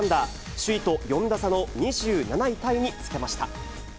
首位と４打差の２７位タイにつけました。